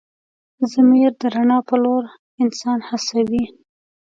ضمیر د رڼا په لور انسان هڅوي.